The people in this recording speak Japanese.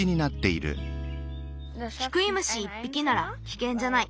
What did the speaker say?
キクイムシ１ぴきならきけんじゃない。